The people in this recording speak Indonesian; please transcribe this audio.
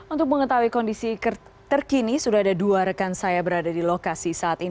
untuk mengetahui kondisi terkini sudah ada dua rekan saya berada di lokasi saat ini